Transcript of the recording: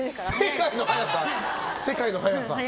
世界の速さ？